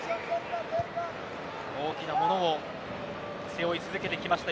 大きなものを背負い続けてきました